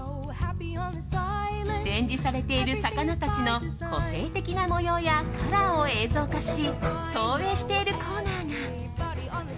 展示されている魚たちの個性的な模様やカラーを映像化し投影しているコーナーが。